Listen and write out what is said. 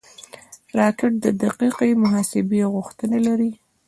راکټ د دقیقې محاسبې غوښتنه لري